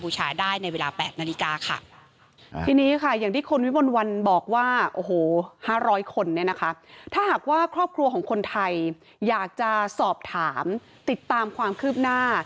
จะสอบถามติดตามความคืบหน้า